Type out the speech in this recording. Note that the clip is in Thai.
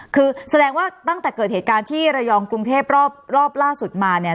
คือแสดงว่าตั้งแต่เกิดเหตุการณ์ที่ระยองกรุงเทพรอบล่าสุดมาเนี่ย